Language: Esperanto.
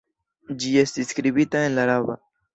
Ĝi estis skribita en la araba.